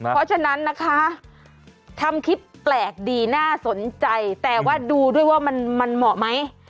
เพราะฉะนั้นนะคะทำคลิปแปลกดีน่าสนใจแต่ว่าดูด้วยว่ามันเหมาะไหม